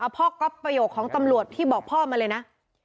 ก๊อปประโยคของตำรวจที่บอกพ่อมาเลยนะ